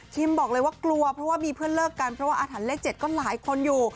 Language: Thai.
บอกเลยว่ากลัวเพราะว่ามีเพื่อนเลิกกันเพราะว่าอาถรรพเลข๗ก็หลายคนอยู่